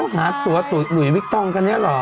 พอที่คนเขาหาตัวหลุยวิกต้องกันเนี่ยเหรอ